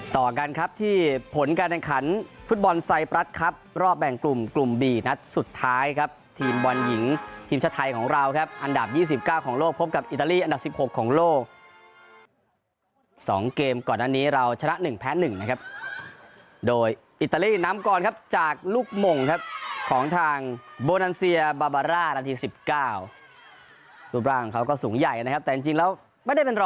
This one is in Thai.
ทีมของบุรีรัมย์อย่างนี้